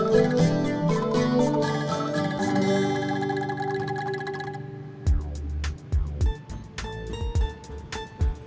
saya misalkan trust protection